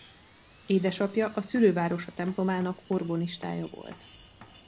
Édesapja a szülővárosa templomának orgonistája volt.